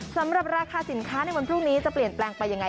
สำหรับราคาสินค้าในวันพรุ่งนี้จะเปลี่ยนแปลงไปยังไง